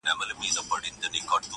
چا له وهمه ورته سپوڼ نه سو وهلای.!